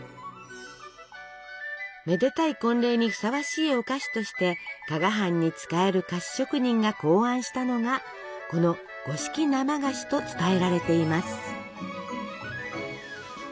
めでたい婚礼にふさわしいお菓子として加賀藩に仕える菓子職人が考案したのがこの五色生菓子と伝えられています。